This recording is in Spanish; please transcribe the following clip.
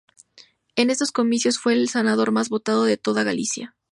En esos comicios fue el senador más votado de toda Galicia.